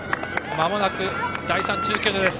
まもなく第３中継所です。